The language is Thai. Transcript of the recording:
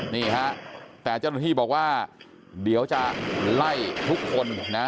นี่ฮะแต่เจ้าหน้าที่บอกว่าเดี๋ยวจะไล่ทุกคนนะ